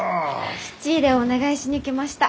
質入れをお願いしに来ました。